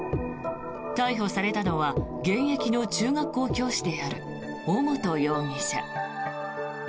逮捕されたのは現役の中学校教師である尾本容疑者。